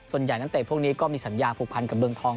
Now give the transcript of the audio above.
ส่วนใหญ่ตั้งแต่พวกนี้ก็มีสัญญาภูมิภูมิภูมิกับเบื้องทอง